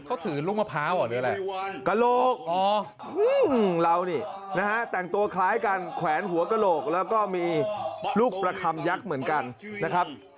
แต่งตัวคล้ายกันแขวนหัวกระโหลกแล้วก็มีลูกประคำยักษ์เหมือนกันนะครับ